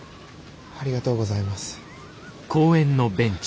ありがとうございます。